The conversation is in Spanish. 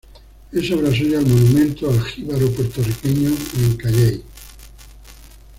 Es obra suya el Monumento al Jíbaro Puertorriqueño en Cayey.